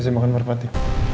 kasih makan perpati